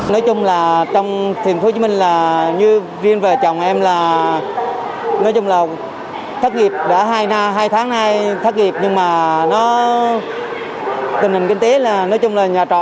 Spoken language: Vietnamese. nói chung là trong thành phố hồ chí minh là như riêng về chồng em là nói chung là thất nghiệp đã hai năm hai tháng nay thất nghiệp nhưng mà nó tình hình kinh tế là nói chung là nhà trọ